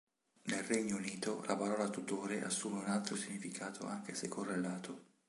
Nel Regno Unito la parola tutore assume un altro significato, anche se correlato.